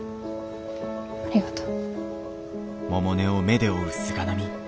ありがとう。